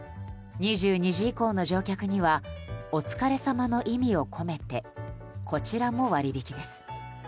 ２２時以降の乗客にはお疲れさまの意味を込めてこちらも割引です。